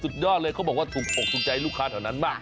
ยอดเลยเขาบอกว่าถูกอกถูกใจลูกค้าแถวนั้นมาก